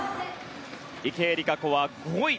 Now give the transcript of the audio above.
池江璃花子は５位。